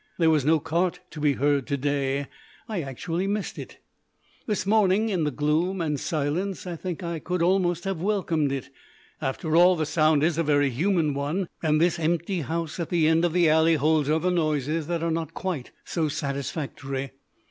There was no cart to be heard to day. I actually missed it. This morning, in the gloom and silence, I think I could almost have welcomed it. After all, the sound is a very human one, and this empty house at the end of the alley holds other noises that are not quite so satisfactory.